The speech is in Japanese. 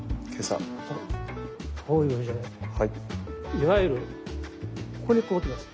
いわゆるここにこう来ます。